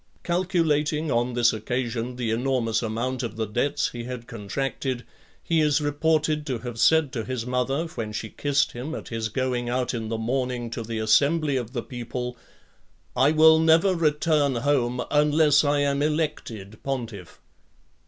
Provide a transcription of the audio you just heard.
Calculating, on this occasion, the enormous amount of the debts he had contracted, he is reported to have said to his mother, when she kissed him at his going out in the morning to the assembly of the people, "I will never return home unless I am elected pontiff."